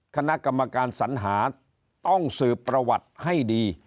คณะกรรมการสัญหาต้องสืบประวัติให้ดี